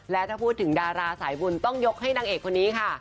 และถ้าพูดถึงดาราสายบุญต้องยกให้นางเอกคนนี้ค่ะ